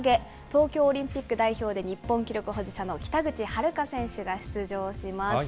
東京オリンピック代表で、日本記録保持者の北口榛花選手が出場します。